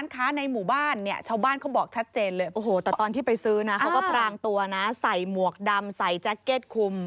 กางตัวใส่หมวกดำใส่แจ๊คเกฐคุม